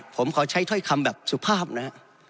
ผมขอใช้ถ้อยคำแบบสุภาพนะฮะ